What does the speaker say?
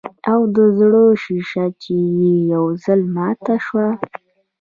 او د زړۀ شيشه چې ئې يو ځل ماته شوه